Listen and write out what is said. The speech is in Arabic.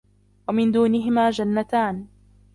وَمِن دُونِهِمَا جَنَّتَانِ